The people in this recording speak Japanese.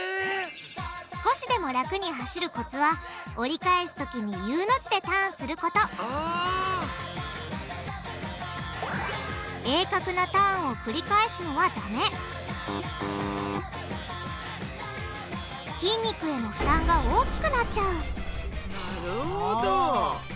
少しでも楽に走るコツは折り返すときにＵの字でターンすること鋭角なターンを繰り返すのはダメ筋肉への負担が大きくなっちゃうなるほど。